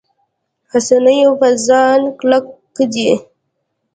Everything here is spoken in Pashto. حسینو په ځان کلک دی.